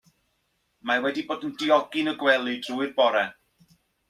Mae wedi bod yn diogi'n y gwely drwy'r bore.